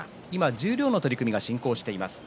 十両の取組が進行しています。